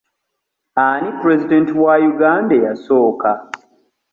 Ani pulezidenti wa Uganda eyasooka?